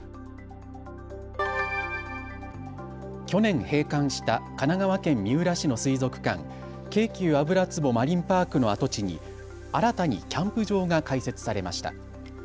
去年閉館した神奈川県三浦市の水族館、京急油壺マリンパークの跡地に新たにキャンプ場が開設されました。